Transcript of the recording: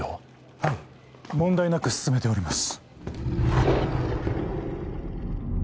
はい問題なく進めております・